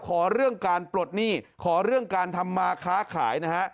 ขอเรื่องการปลดหนี้ขอเรื่องการทำมาค้าขายนะฮะ